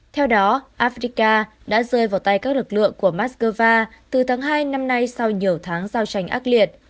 theo đó afrika đã rơi vào tay các lực lượng của moscow từ tháng hai năm nay sau nhiều tháng giao tranh ác liệt